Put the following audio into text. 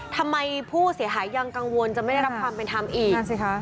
ทำไมผู้เสียหายยังกังวลจะไม่ได้รับความเป็นธรรมอีกนั่นสิคะ